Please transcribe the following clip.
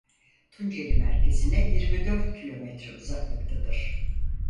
Tunceli merkezine yirmi dört kilometre uzaklıktadır.